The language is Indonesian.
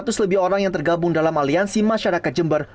seratus lebih orang yang tergabung dalam aliansi masyarakat jember